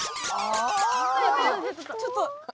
ちょっと。